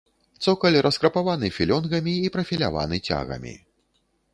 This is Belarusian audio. Цокаль раскрапаваны філёнгамі і прафіляваны цягамі.